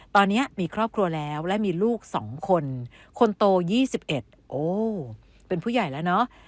ตอนนี้มีครอบครัวแล้วและมีลูก๒คนคนโต๒๑โอ้เป็นผู้ใหญ่แล้วเนอะ